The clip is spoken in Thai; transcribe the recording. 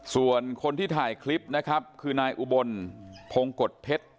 ส่วนคนที่ถ่ายคลิปนะครับคือนายอุบลพงกฎเพชร